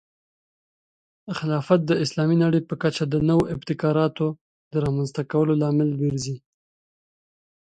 خلافت د اسلامي نړۍ په کچه د نوو ابتکاراتو د رامنځته کولو لامل ګرځي.